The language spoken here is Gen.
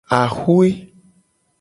Axwe.